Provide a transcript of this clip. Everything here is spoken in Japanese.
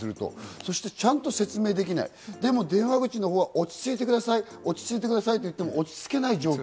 そしてちゃんと説明できない、でも電話口は落ち着いてください、落ち着いてくださいと言っても落ち着けない状況。